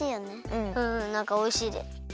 うんなんかおいしいです。